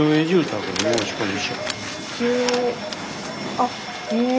あっへえ。